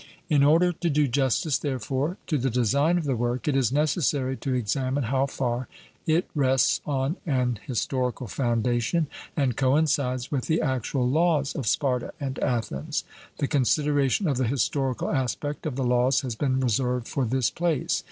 In order to do justice therefore to the design of the work, it is necessary to examine how far it rests on an historical foundation and coincides with the actual laws of Sparta and Athens. The consideration of the historical aspect of the Laws has been reserved for this place.